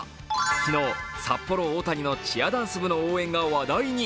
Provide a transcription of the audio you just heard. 昨日、札幌大谷のチアダンス部の応援が話題に。